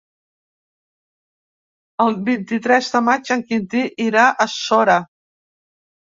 El vint-i-tres de maig en Quintí irà a Sora.